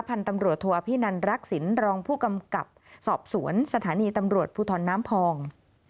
พันธุ์ตำรวจโทอภินันรักษิณรองผู้กำกับสอบสวนสถานีตำรวจภูทรน้ำพอง